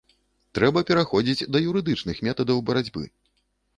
Трэба пераходзіць да юрыдычных метадаў барацьбы.